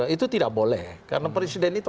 itu tidak boleh karena presiden itu